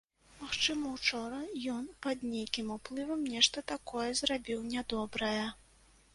Магчыма, учора ён пад нейкім уплывам нешта такое зрабіў нядобрае.